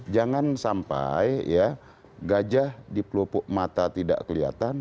jangan sampai gajah di pelupuk mata tidak kelihatan